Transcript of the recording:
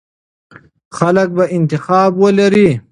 خلک به انتخاب ولري.